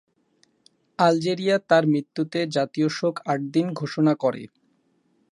Algeria তার মৃত্যুতে জাতীয় শোক আট দিন ঘোষণা করে।